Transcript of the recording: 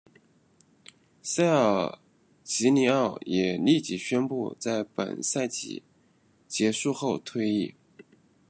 塞尔吉尼奥也立即宣布在本赛季结束后退役。